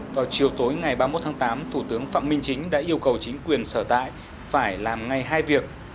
vào chiều tối ngày ba mươi một tháng tám thủ tướng phạm minh chính đã yêu cầu chính quyền sở tại phải làm ngay hai việc